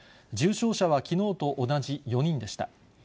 重症者はきのうと同じ４人でした。